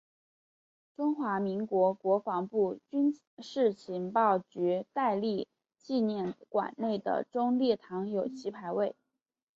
中华民国国防部军事情报局戴笠纪念馆内的忠烈堂有其牌位。